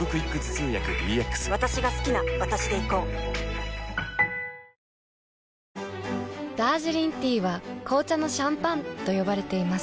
ハハハダージリンティーは紅茶のシャンパンと呼ばれています。